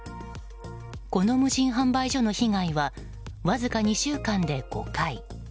この無人販売所の被害はわずか２週間で５回。